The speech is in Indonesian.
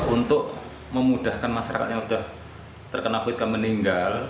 untuk memudahkan masyarakat yang sudah terkena covid meninggal